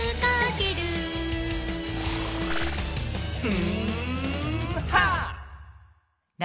うんはっ！